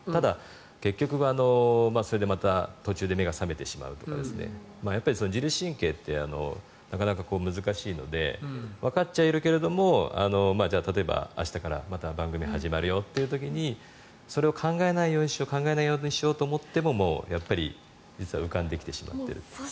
ただ、結局、それでまた途中で目が覚めてしまうとか自律神経ってなかなか難しいのでわかっちゃいるけれども例えば明日からまた番組始まるよという時にそれを考えないようにしようと思ってももう実は浮かんできてしまっている。